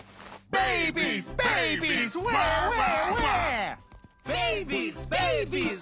ベイビーズ！